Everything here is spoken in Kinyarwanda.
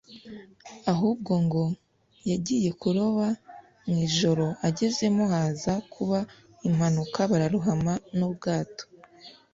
ahubwo ngo “yagiye kuroba mu ijoro agezemo haza kuba impanuka bararohama n’ubwato